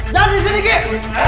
jangan disini cik